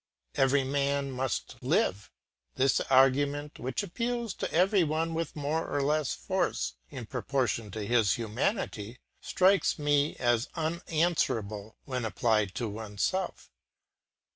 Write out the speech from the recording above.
Every man must live; this argument, which appeals to every one with more or less force in proportion to his humanity, strikes me as unanswerable when applied to oneself.